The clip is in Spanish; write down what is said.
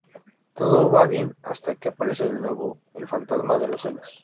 Todo va bien hasta que aparece de nuevo el fantasma de los celos.